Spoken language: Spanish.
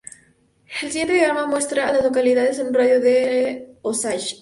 El siguiente diagrama muestra a las localidades en un radio de de Osage.